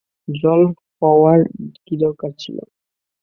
জল হওয়ার কী দরকার ছিল?